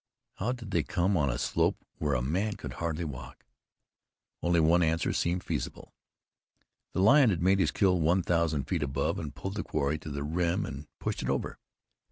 How did they come on a slope where a man could hardly walk? Only one answer seemed feasible. The lion had made his kill one thousand feet above, had pulled his quarry to the rim and pushed it over.